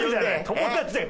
友達だよ